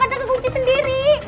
ada kekunci sendiri